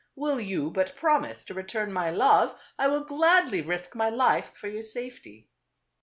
Will you but promise to return my love, I will gladly risk my life for your safety."